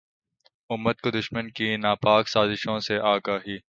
امت کو دشمن کی ناپاک سازشوں سے آگاہی